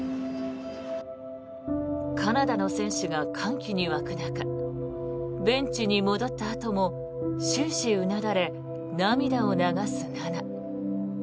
カナダの選手が歓喜に沸く中ベンチに戻ったあとも終始、うなだれ涙を流す菜那。